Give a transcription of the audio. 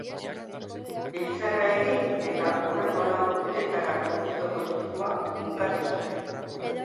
Biltzarra egin eta hurrengo lau urtetarako ildo politikoa finkatu zuten.